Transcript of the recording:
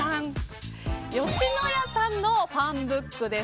吉野家さんのファンブックです。